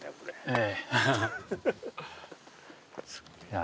ええ。